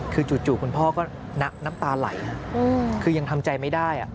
คือจู่คุณพ่อก็น้ำตาไหลคือยังทำใจไม่ได้